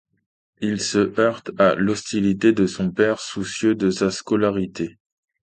Il se heurte à l'hostilité de son père, soucieux de sa scolarité.